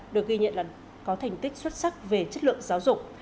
được ghi nhận là có thành tích xuất sắc về chất lượng giáo dục